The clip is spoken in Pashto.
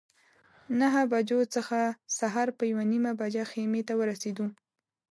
نهه بجو څخه سهار په یوه نیمه بجه خیمې ته ورسېدو.